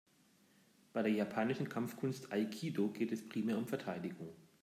Bei der japanischen Kampfkunst Aikido geht es primär um Verteidigung.